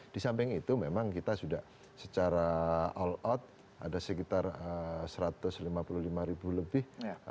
di samping itu memang kita sudah secara all out ada sekitar satu ratus lima puluh lima ribu lebih